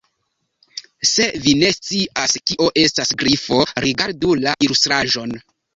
Se vi ne scias kio estas Grifo, rigardu la ilustraĵon.